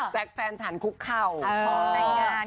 แจ๊คแฟนฉันคุกเข้า